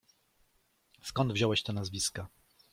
"Skąd wziąłeś te nazwiska?"